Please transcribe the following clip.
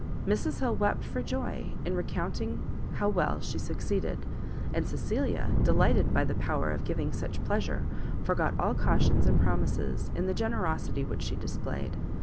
Mrs Hill wept for joy in recounting how well she succeeded, and Cecilia, delighted by the power of giving such pleasure, forgot all cautions and promises in the generosity which she displayed.